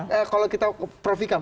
dampak kalau kita prof ikam